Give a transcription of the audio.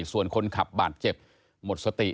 ส่วนคนขับบาดเจ็บหมดสติ